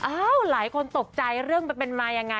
หลายคนตกใจเรื่องมันเป็นมายังไง